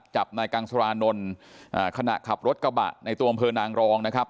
จับนายกังสรานนท์ขณะขับรถกระบะในตัวอำเภอนางรองนะครับ